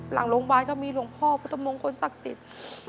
หลังโรงพยาบาลก็มีหลวงพ่อพุทธมงคลศักดิ์สิทธิ์